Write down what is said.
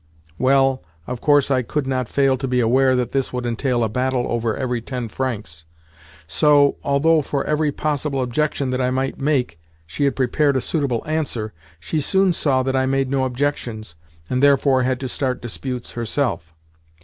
Well, of course I could not fail to be aware that this would entail a battle over every ten francs; so, although for every possible objection that I might make she had prepared a suitable answer, she soon saw that I made no objections, and therefore, had to start disputes herself.